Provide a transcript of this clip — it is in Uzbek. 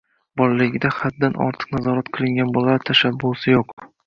Bolalaligida haddan ortiq nazorat qilingan bolalar tashabbusi yo‘q